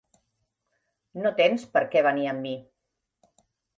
No tens per què venir amb mi.